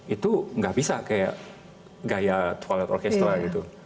itu nggak bisa kayak gaya orkestra kecil gitu